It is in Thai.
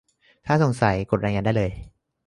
ถ้าสงสัย กดรายงานได้เลย